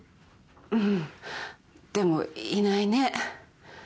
うんでもいないね。